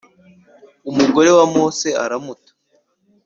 umugore wa Mose aramuta